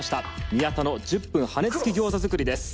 宮田の１０分羽根付き餃子作りです